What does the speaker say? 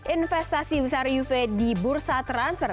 investasi besar juve di bursa transfer